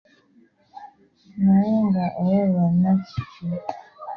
Naye nga olwo lwonna kiki?